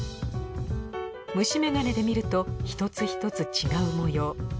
虫めがねで見ると一つ一つ違う模様。